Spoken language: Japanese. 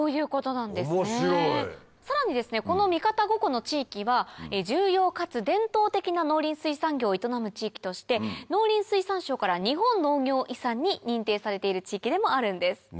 さらにこの三方五湖の地域は重要かつ伝統的な農林水産業を営む地域として農林水産省から日本農業遺産に認定されている地域でもあるんです。